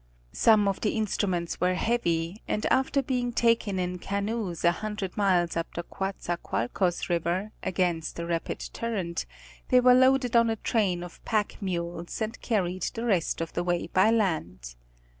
Some of the instruments were heavy, and after being taken in canoes a hundred miles up the Coatzacoalcos river, against 'a vapid current, they were loaded on a train of pack mules, and carried the rest of the way by land.